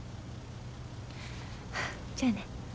じゃあね。